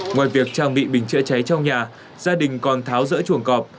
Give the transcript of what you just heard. ngoài việc trang bị bình chữa cháy trong nhà gia đình còn tháo rỡ chuồng cọp